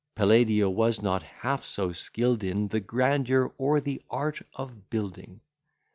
Palladio was not half so skill'd in The grandeur or the art of building.